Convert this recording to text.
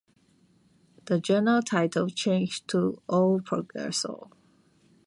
The journal title changed to "O Progresso".